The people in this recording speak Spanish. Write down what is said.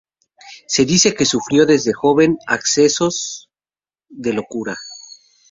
Se dice que sufrió desde joven accesos de locura.